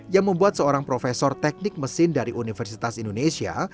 yang membuat seorang profesor teknik mesin dari universitas indonesia